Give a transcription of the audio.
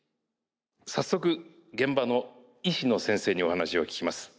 早速現場の医師の先生にお話を聞きます。